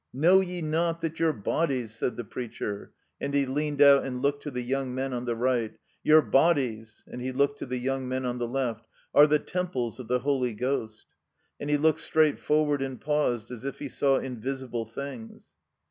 *'*Know ye not that yoin bodies,'" said the preacher — and he leaned out and looked to the young men on the right — '''yoxxc bodies'" — ^and he looked to the yotmg men on the left —*' 'are the temples of the Holy Ghost'" — and he looked straightforward and paused as if he saw invisible things.